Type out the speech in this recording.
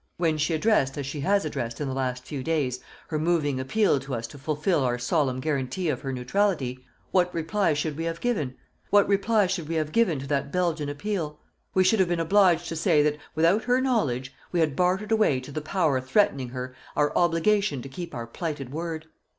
When she addressed, as she has addressed in the last few days, her moving appeal to us to fulfil our solemn guarantee of her neutrality, what reply should we have given? What reply should we have given to that Belgian appeal? We should have been obliged to say that without her knowledge we had bartered away to the Power threatening her our obligation to keep our plighted word.